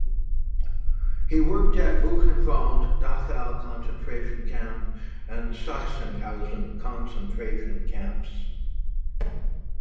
He worked at Buchenwald, Dachau concentration camp and Sachsenhausen concentration camps.